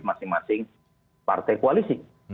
masing masing partai koalisi